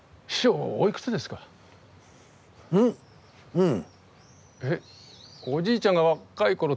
うん。